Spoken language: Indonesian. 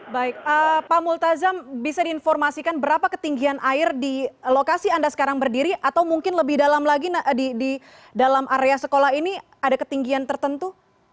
baik pak multazam bisa diinformasikan berapa ketinggian air di lokasi anda sekarang berdiri atau mungkin lebih dalam lagi di dalam area sekolah ini ada ketinggian tertentu